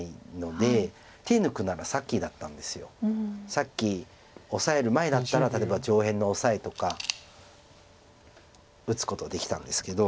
さっきオサえる前だったら例えば上辺のオサエとか打つことできたんですけど。